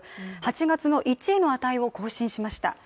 ８月の１位の値を更新しました。